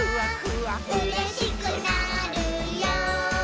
「うれしくなるよ」